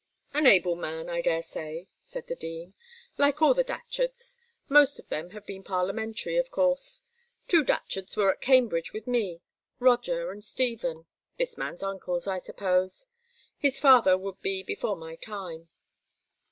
"An able man, I daresay," said the Dean. "Like all the Datcherds. Most of them have been Parliamentary, of course. Two Datcherds were at Cambridge with me Roger and Stephen; this man's uncles, I suppose; his father would be before my time.